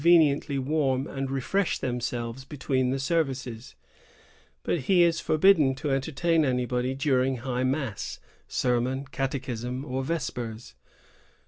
185 veniently warm and refresh themselves between the services; but he is forbidden to entertain anybody during high mass, sermon, catechism, or vespers.